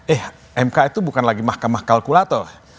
eh mk itu bukan lagi mahkamah kalkulator